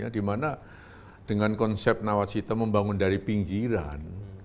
di mana dengan konsep nawasita membangun dari pinggiran